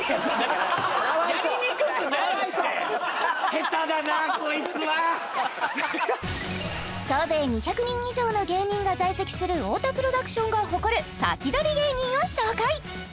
かわいそうかわいそう総勢２００人以上の芸人が在籍する太田プロダクションが誇るサキドリ芸人を紹介！